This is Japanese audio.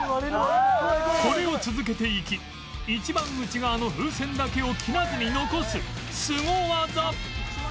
これを続けていき一番内側の風船だけを切らずに残すスゴ技